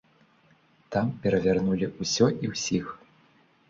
Там перавярнулі ўсё і ўсіх.